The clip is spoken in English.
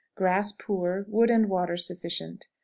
Grass poor; wood and water sufficient.